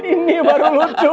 ini baru lucu